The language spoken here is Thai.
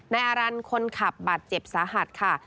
อารันต์คนขับบาดเจ็บสาหัสค่ะ